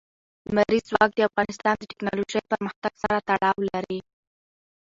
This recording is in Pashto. لمریز ځواک د افغانستان د تکنالوژۍ پرمختګ سره تړاو لري.